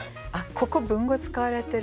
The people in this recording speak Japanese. ここ文語使われてる。